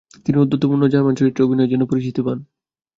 তিনি ঔদ্ধত্যপূর্ণ জার্মান চরিত্রে অভিনয়ের জন্য পরিচিতি পান।